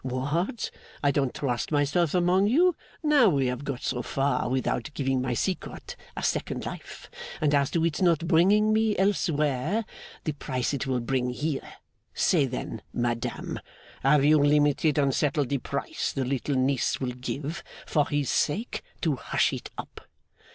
What! I don't trust myself among you, now we have got so far, without giving my secret a second life. And as to its not bringing me, elsewhere, the price it will bring here, say then, madame, have you limited and settled the price the little niece will give for his sake to hush it up?